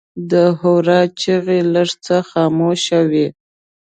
د هورا چیغې لږ څه خاموشه وې.